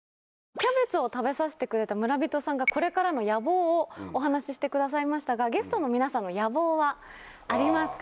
キャベツを食べさせてくれた村人さんがこれからの野望をお話ししてくださいましたがゲストの皆さんの野望はありますか？